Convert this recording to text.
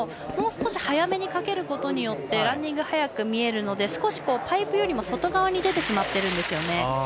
もう少し早めにかけることでランディング速く見えるので少しパイプよりも外側に出てしまっているんですね。